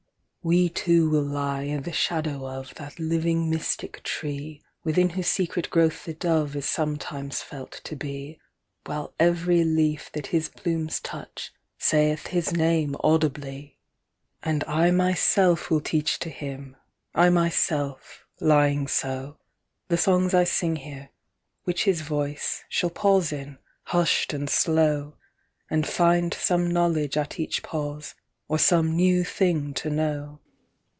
"We two will lie i' the shadow ofThat living mystic treeWithin whose secret growth the DoveIs sometimes felt to be, While every leaf that His plumes touchSaith His Name audibly."And I myself will teach to him,I myself, lying so, The songs I sing here; which his voiceShall pause in, hush'd and slow, And find some knowledge at each pause, Or some new thing to know."